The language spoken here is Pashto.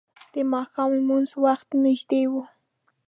د ماښام لمانځه وخت نږدې و.